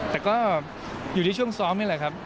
แต่ก็อยู่ที่ช่วงซ้อมนี่แหละครับ